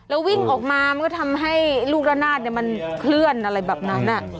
แล้ววิ่งออกมามันก็ทำให้ลูกละนาดมันเคลื่อนอะไรแบบนั้น